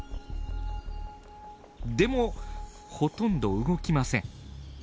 でもほとんど動きません。